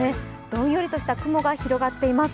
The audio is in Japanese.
どんよりとした雲が広がっています。